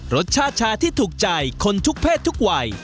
รสชาติชาที่ถูกใจคนทุกเพศทุกวัย